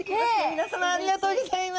皆さまありがとうギョざいます。